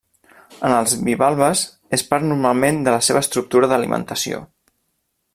En els bivalves és part normalment de la seva estructura d’alimentació.